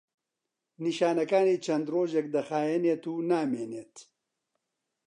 نیشانەکانی چەند ڕۆژێک دەخایەنێت و نامێنێت.